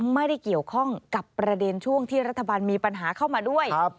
ไม่ได้เกี่ยวข้องกับประเด็นช่วงที่รัฐบาลมีปัญหาเข้ามาด้วย